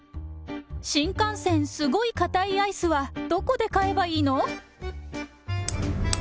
新幹線すごいかたいアイスはどこで買えばいいの？